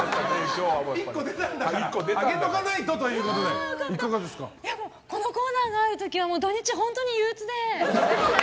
１個出たんだからあげとかないとということでこのコーナーがある時は土日、本当に憂鬱で。